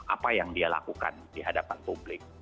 apa yang dia lakukan di hadapan publik